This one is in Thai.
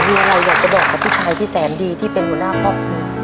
มีอะไรอยากจะบอกกับผู้ชายที่แสนดีที่เป็นหัวหน้าครอบครัว